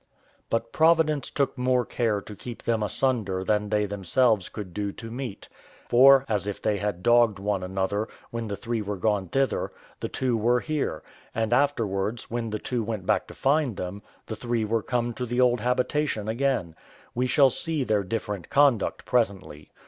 But Providence took more care to keep them asunder than they themselves could do to meet; for, as if they had dogged one another, when the three were gone thither, the two were here; and afterwards, when the two went back to find them, the three were come to the old habitation again: we shall see their different conduct presently.